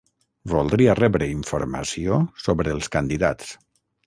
Voldria rebre informació sobre els candidats.